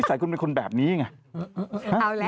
ใส่คุณเป็นคนแบบนี้ไง